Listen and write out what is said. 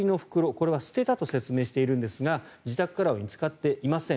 これは捨てたと説明しているんですが自宅からは見つかっていません。